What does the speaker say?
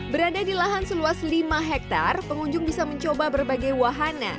berada di lahan seluas lima hektare pengunjung bisa mencoba berbagai wahana